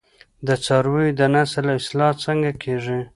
د څارویو د نسل اصلاح څنګه کیږي؟